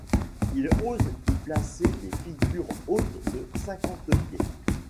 Il ose y placer des figures hautes de cinquante pieds.